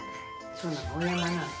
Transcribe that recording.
そうなのおやまなの？